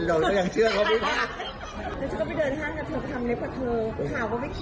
เรายังเชื่อเขาไม่ได้